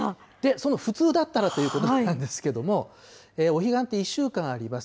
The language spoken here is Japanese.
その普通だったらということなんですけれども、お彼岸って１週間あります。